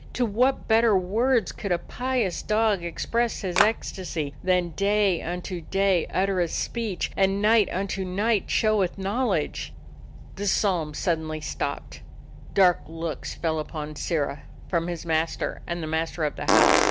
To what better words could a pious dog express his ecstasy than "Day unto day uttereth 72 A DOG OF THE ETTRICK HILLS speech, and night unto night showeth knowl edge"? The psalm suddenly stopped. Dark looks fell upon Sirrah from his master and the mas ter of the house.